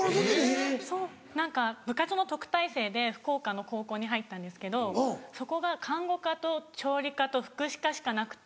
何か部活の特待生で福岡の高校に入ったんですけどそこが看護科と調理科と福祉科しかなくて。